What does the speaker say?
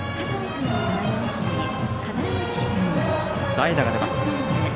代打が出ます。